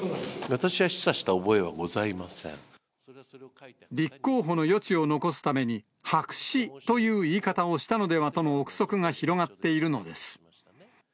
私は示唆した覚えはございま立候補の余地を残すために、白紙という言い方をしたのではとの臆測が広がっているのです。